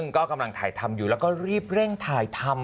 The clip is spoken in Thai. ก็กำลังถ่ายทำอยู่แล้วก็รีบเร่งถ่ายทำ